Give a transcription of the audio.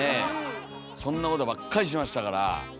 そんなことばっかりしましたから。